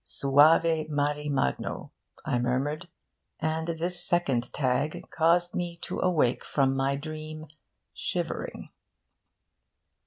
Suave mari magno,' I murmured. And this second tag caused me to awake from my dream shivering.